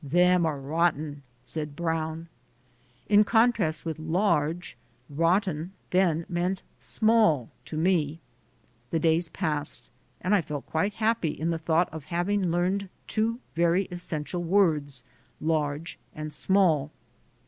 "Them are rotten" said Brown. In contrast with "large," "rotten 5 * then meant "small" to me. The days passed and I felt quite happy in the thought of having learned two very essential words, "large" and "small."